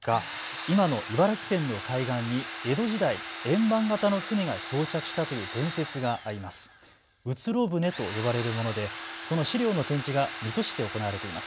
今の茨城県の海岸に江戸時代、円盤型の舟が漂着したという伝説があります。